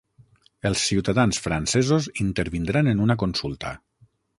Els ciutadans francesos intervindran en una consulta